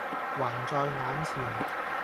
還在眼前。